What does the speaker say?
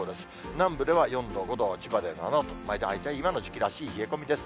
南部では４度、５度、千葉で７度、まあ、大体今の時期らしい冷え込みです。